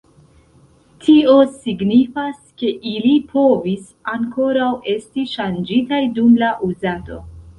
Tio signifas ke ili povis ankoraŭ esti ŝanĝitaj dum la uzado.